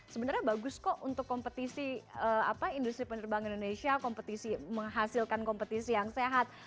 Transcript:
sebenarnya bagus kok untuk kompetisi industri penerbangan indonesia menghasilkan kompetisi yang sehat